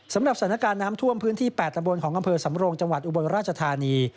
สำหรับสถานการณ์น้ำท่วมพื้นที่๘ตำบลของอำเภอสำรงจังหวัดอุบลราชธานี